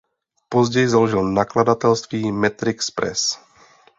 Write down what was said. Později založil nakladatelství Matrix Press.